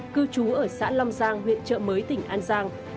cư trú ở xã long giang huyện trợ mới tỉnh an giang